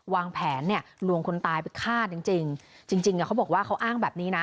วางแผนเนี่ยลวงคนตายไปฆ่าจริงจริงอ่ะเขาบอกว่าเขาอ้างแบบนี้นะ